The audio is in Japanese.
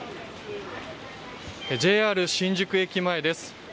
ＪＲ新宿駅前です。